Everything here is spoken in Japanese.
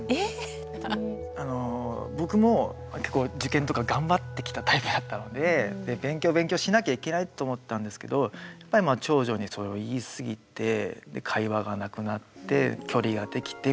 僕も結構受験とか頑張ってきたタイプだったので勉強勉強しなきゃいけないと思ったんですけどやっぱり長女にそれを言い過ぎて会話がなくなって距離ができてみたいな。